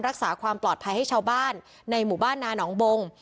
รักษาความปลอดภัยให้ชาวบ้านในหมู่บ้านนาหนองบง